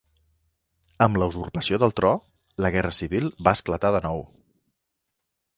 Amb la usurpació del tro, la guerra civil va esclatar de nou.